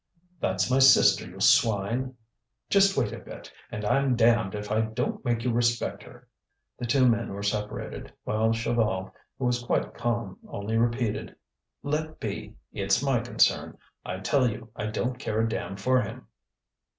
"That's my sister, you swine! Just wait a bit, and I'm damned if I don't make you respect her." The two men were separated, while Chaval, who was quite calm, only repeated: "Let be! it's my concern. I tell you I don't care a damn for him."